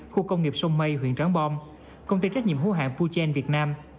khu công nghiệp sông mây huyện tráng bom công ty trách nhiệm hữu hạng puchen việt nam